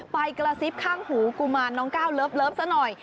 ไปกระซิบข้างหูกุมารน้องก้าวเลิฟซะหน่อย